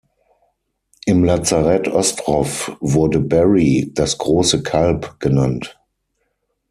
Im Lazarett Ostrow wurde Barry "„das große Kalb“" genannt.